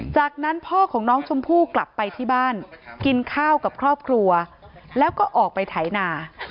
จากนั้นพ่อของน้องชมพู่กลับไปที่บ้านกินข้าวกับครอบครัวแล้วก็ออกไปไถนา